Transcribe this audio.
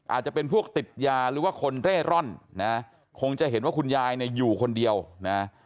อาจจะเป็นพวกติดยาหรือว่าคนเร่ร่อนนะคงจะเห็นว่าคุณยายเนี่ยอยู่คนเดียวนะ